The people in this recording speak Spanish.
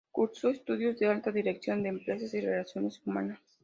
Cursó estudios de Alta Dirección de Empresas, y Relaciones Humanas.